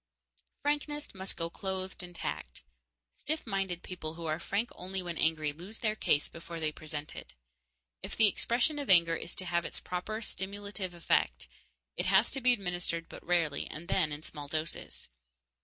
Frankness must go clothed in tact. Stiff minded people who are frank only when angry lose their case before they present it. If the expression of anger is to have its proper stimulative effect, it has to be administered but rarely, and then in small doses.